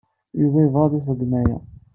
Yuba yebɣa ad iṣeggem aya.